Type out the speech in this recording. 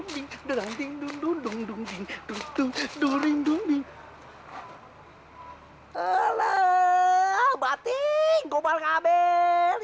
batik kubal kabel